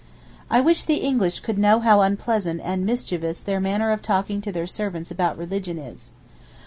I wish the English could know how unpleasant and mischievous their manner of talking to their servants about religion is.